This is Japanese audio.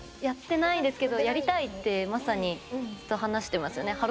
やってないんですけどやりたいってまさにずっと話してますよね。